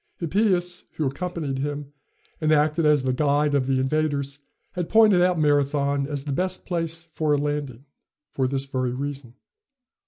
Hippias, who accompanied him, and acted as the guide of the invaders, had pointed out Marathon as the best place for a landing, for this very reason.